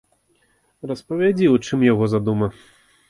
Распавядзі, у чым яго задума.